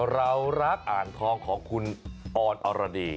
เรารักอ่างทองของคุณออนอรดี